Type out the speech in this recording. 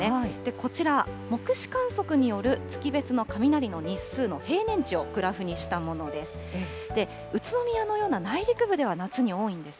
こちら、目視観測による月別の雷の日数の平年値をグラフにしたものです。